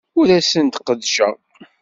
Ur asen-d-qeddceɣ.